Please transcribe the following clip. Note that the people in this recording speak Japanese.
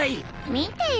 見てよ。